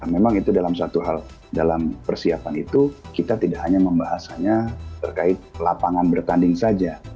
memang itu dalam satu hal dalam persiapan itu kita tidak hanya membahas hanya terkait lapangan bertanding saja